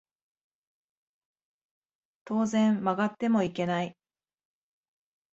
当然曲がってもいけない